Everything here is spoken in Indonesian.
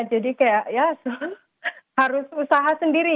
kayak ya harus usaha sendiri